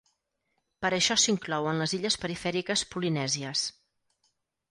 Per això s'inclou en les illes perifèriques polinèsies.